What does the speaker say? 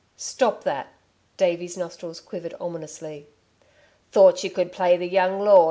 "Stop that!" Davey's nostrils quivered ominously. "Thought you could play the young lord